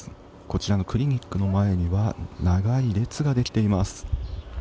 こちらのクリニックの前には長い列ができています。